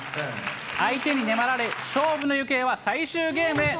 相手に粘られ、勝負の行方は最終ゲームへ。